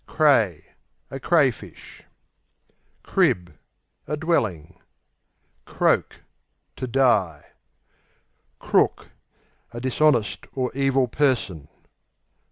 Cray A crayfish. Crib A dwelling. Croak To die. Crook A dishonest or evil person.